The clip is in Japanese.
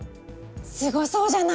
すごそうじゃない。